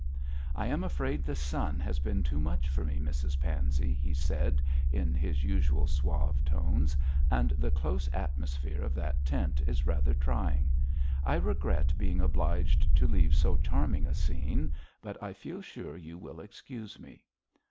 'I am afraid the sun has been too much for me, Mrs Pansey,' he said in his usual sauve tones, 'and the close atmosphere of that tent is rather trying. I regret being obliged to leave so charming a scene, but I feel sure you will excuse me.'